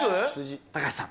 高橋さん。